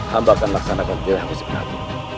hamba akan laksanakan teori yang gusti prabu